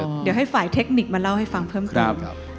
เดี๋ยวให้ฝ่ายเทคนิคมาเล่าให้ฟังเพิ่มเติม